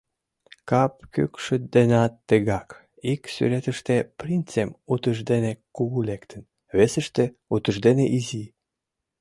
Кап кӱкшыт денат тыгак: ик сӱретыште принцем утыждене кугу лектын, весыште — утыждене изи.